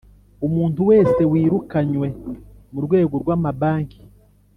Umuntu wese wirukanywe mu rwego rw amabanki